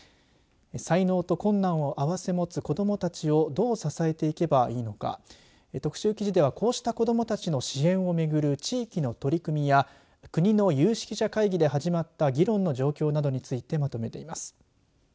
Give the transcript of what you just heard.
才能と困難を併せ持つ子どもたちをどう支えていけばいいのか特集記事では、こうした子どもたちの支援をめぐる地域の取り組みや国の有識者会議で始まった議論の状況などについてまとめています。